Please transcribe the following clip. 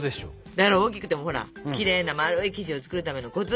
だから大きくてもほらきれいな丸い生地を作るためのコツ！